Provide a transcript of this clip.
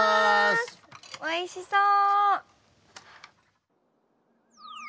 おいしそう。